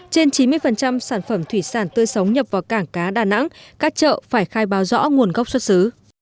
trên chín mươi sản phẩm thủy sản tươi sống nhập vào cảng cá đà nẵng các chợ phải khai báo rõ nguồn gốc xuất xứ